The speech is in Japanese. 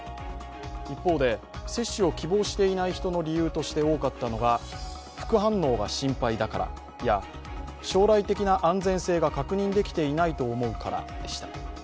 一方で、接種を希望していない人の理由とした多かったのが副反応が心配だからや将来的な安全性が確認できていないと思うからでした。